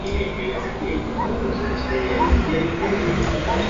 Era un monárquico convencido y propugnó una constitución monárquica.